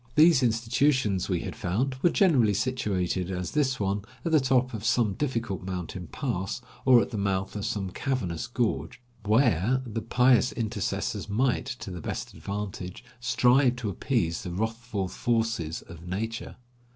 These institutions, we had found, were generally situated as this one, at the top of some difficult mountain pass or at the mouth of some cavernous gorge, where the pious intercessors might, to the best advantage, strive to appease the wrathful forces of nature.